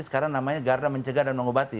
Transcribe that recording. sekarang namanya garda mencegah dan mengobati